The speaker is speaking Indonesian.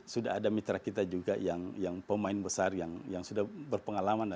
sudah ada mitra kita juga yang pemain besar yang sudah berpengalaman